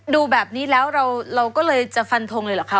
ดูแบบนี้แล้วเราก็เลยจะฟันทงเลยเหรอคะ